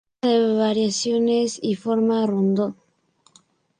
El final es una mezcla de variaciones y forma rondó.